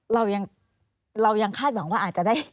เรายังเรายังคาดหวังว่าอาจจะได้